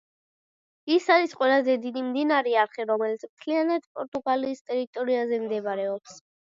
ის არის ყველაზე დიდი მდინარე არხი, რომელიც მთლიანად პორტუგალიის ტერიტორიაზე მდებარეობს.